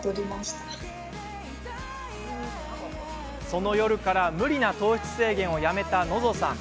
その夜から無理な糖質制限をやめた、のぞさん。